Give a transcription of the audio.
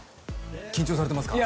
緊張されてますか？